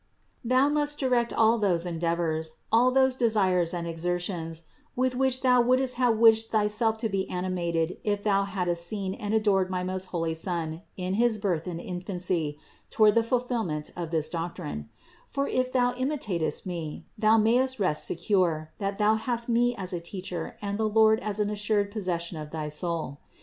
Thou must direct all those endeavors, all those desires and exertions, with which thou wouldst have wished thy self to be animated if thou hadst seen and adored my most holy Son in his birth and infancy, toward the ful fillment of this doctrine; for if thou imitatest me, thou mayest rest secure, that thou hast me as a Teacher and the Lord for an assured possession of thy soul.